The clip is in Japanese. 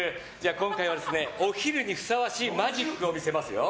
今回はお昼にふさわしいマジックを見せますよ。